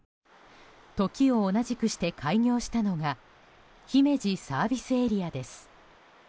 時を同じくして開業したのが姫路ＳＡです。